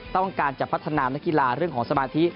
ต้องการจะพัฒนานักกีฬาเรื่องของสมาธิ